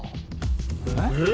えっ？